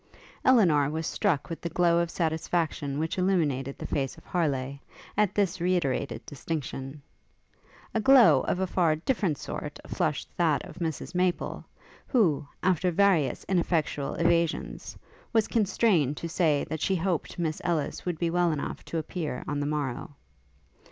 Elinor was struck with the glow of satisfaction which illumined the face of Harleigh, at this reiterated distinction. A glow of a far different sort flushed that of Mrs Maple, who, after various ineffectual evasions, was constrained to say that she hoped Miss Ellis would be well enough to appear on the morrow.